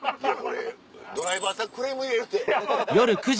ドライバーさんクレーム入れるて。